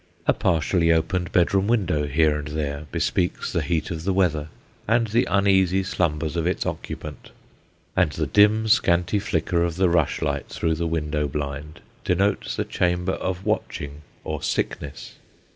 A partially opened bedroom window here and there, bespeaks the heat of the weather, and the uneasy slumbers of its occupant ; and the dim scanty flicker of the rushlight, through the window blind, denotes the An Hour after Daybreak. 37 chamber of watching or sickness.